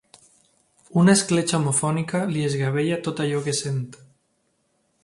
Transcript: Una escletxa homofònica li esgavella tot allò que sent.